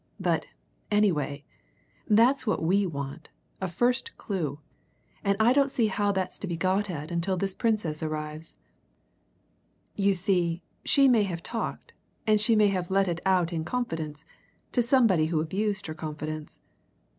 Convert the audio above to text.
But, anyway, that's what we want a first clue. And I don't see how that's to be got at until this Princess arrives here. You see, she may have talked, she may have let it out in confidence to somebody who abused her confidence.